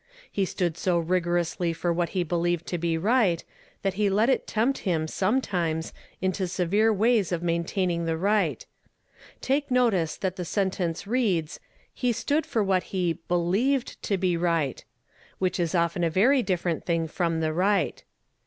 He stood so rigorously for what he believed to be right, that he let it tempt him, sometimes, into severe ways of maintaining the riirht. Take notice that the sentence reads :" he stood for what he believed to be right," which is often a very different thing from the right.